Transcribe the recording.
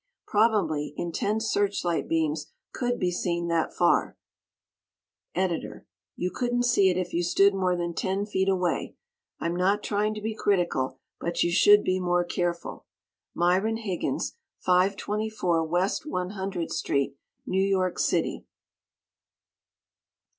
Probably, intense searchlight beams could be seen that far. Ed.] You couldn't see it if you stood more than ten feet away. I'm not trying to be critical, but you should be more careful. Myron Higgins, 524 West 100th St., New York City.